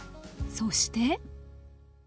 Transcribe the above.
そして。